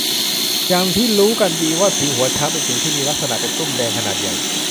อย่างที่รู้กันดีว่าสิวหัวช้างเป็นสิวที่มีลักษณะเป็นตุ้มแดงขนาดใหญ่